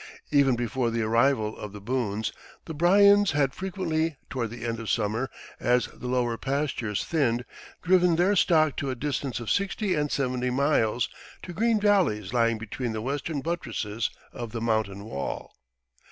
Even before the arrival of the Boones, the Bryans had frequently, toward the end of summer, as the lower pastures thinned, driven their stock to a distance of sixty and seventy miles to green valleys lying between the western buttresses of the mountain wall.